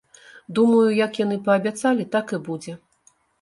Думаю, як яны паабяцалі, так і будзе.